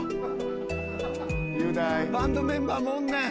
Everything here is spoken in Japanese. バンドメンバーもおんねん！